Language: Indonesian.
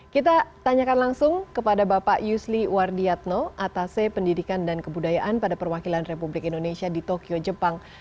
kita tanyakan langsung kepada bapak yusli wardiatno atase pendidikan dan kebudayaan pada perwakilan republik indonesia di tokyo jepang